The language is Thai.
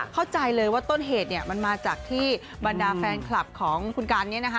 เข้าใจเลยว่าต้นเหตุมันมาจากที่บรรดาแฟนคลับของคุณกัน